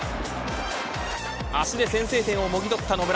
足で先制点をもぎ取った野村。